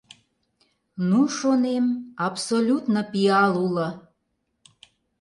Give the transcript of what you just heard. Ну, шонем, абсолютно пиал уло.